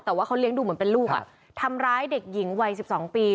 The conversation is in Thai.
แต่ว่าเขาเลี้ยงดูเหมือนเป็นลูกทำร้ายเด็กหญิงวัย๑๒ปี